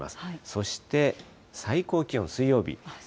そして、最高気温、水曜日。